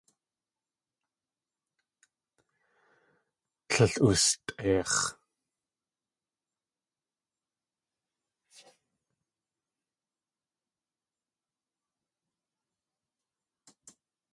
Tlél oostʼeix̲.